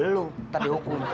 lo ntar dihukum